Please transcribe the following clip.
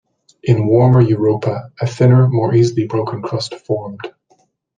In warmer Europa a thinner more easily broken crust formed.